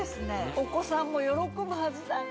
お子さんも喜ぶはずだよ